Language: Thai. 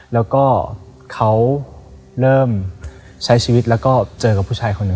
แล้วก็เขาเริ่มใช้ชีวิตแล้วก็เจอกับผู้ชายคนหนึ่ง